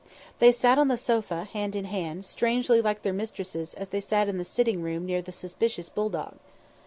They sat on the sofa, hand in hand, strangely like their mistresses as they sat in the sitting room near the suspicious bulldog.